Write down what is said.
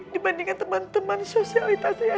dibandingkan teman teman sosialitas saya